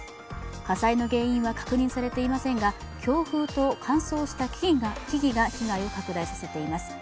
火災の原因は確認されていませんが強風と乾燥した木々が被害を拡大させています。